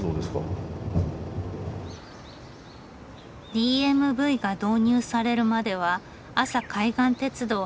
ＤＭＶが導入されるまでは阿佐海岸鉄道を走っていた気動車。